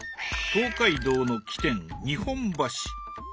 東海道の起点日本橋。